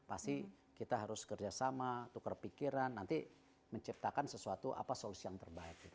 pasti kita harus kerjasama tukar pikiran nanti menciptakan sesuatu apa solusi yang terbaik